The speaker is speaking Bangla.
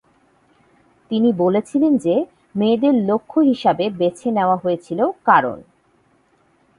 তিনি বলেছিলেন যে মেয়েদের লক্ষ্য হিসাবে বেছে নেওয়া হয়েছিল কারণ।